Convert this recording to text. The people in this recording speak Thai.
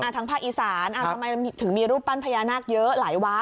ทางภาคอีสานทำไมถึงมีรูปปั้นพญานาคเยอะหลายวัด